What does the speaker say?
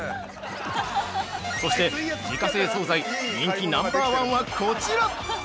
◆そして、自家製総菜人気ナンバーワンはこちら！